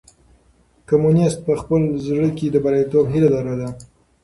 کمونيسټ په خپل زړه کې د برياليتوب هيله لرله.